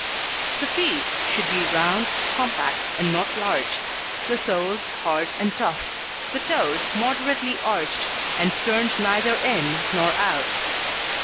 The Feet should be round, compact, and not large. The soles hard and tough. The toes moderately arched, and turned neither in nor out.